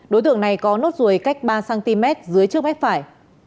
đối tượng này có nốt ruồi cách ba cm dưới trước mép phải